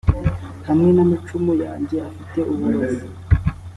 hamwe n’amacumu yanjye afite uburozi.